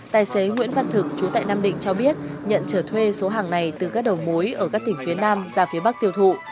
tài xế nguyễn văn thực chú tại nam định cho biết nhận trở thuê số hàng này từ các đầu mối ở các tỉnh phía nam ra phía bắc tiêu thụ